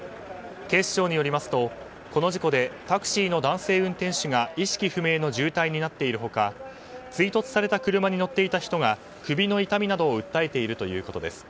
警視庁によりますとこの事故でタクシーの男性運転手が意識不明の重体になっている他追突された車に乗っていた人が首の痛みなどを訴えているということです。